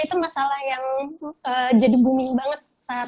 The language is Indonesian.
itu masalah yang jadi booming banget